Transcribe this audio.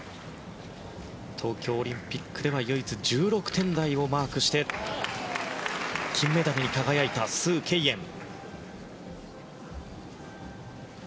東京オリンピックでは唯一、１６点台をマークして金メダルに輝いたスウ・ケイエン。